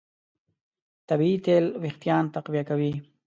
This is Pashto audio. طبیعي تېل وېښتيان تقویه کوي.